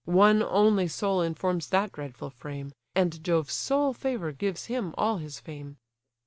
One only soul informs that dreadful frame: And Jove's sole favour gives him all his fame."